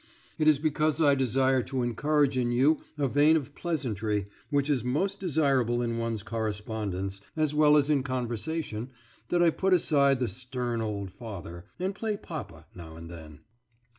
It is because I desire to encourage in you a vein of pleasantry, which is most desirable in one's correspondence, as well as in conversation, that I put aside the stern old father, and play papa now and then.